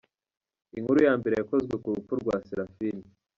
Inkuru ya mbere yakozwe ku rupfu rwa Seraphine.